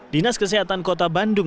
dinas kesehatan kota bandung